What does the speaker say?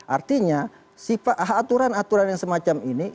artinya aturan aturan yang semacam ini